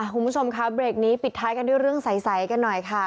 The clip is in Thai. คุณผู้ชมค่ะเบรกนี้ปิดท้ายกันด้วยเรื่องใสกันหน่อยค่ะ